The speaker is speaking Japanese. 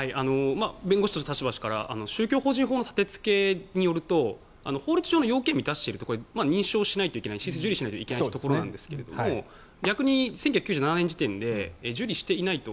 弁護士の立場から宗教法人法の建付けによると法律上の要件を満たしていると認証しないといけない受理しないといけないところですが１９９７年時点で受理していないと。